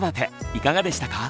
いかがでしたか？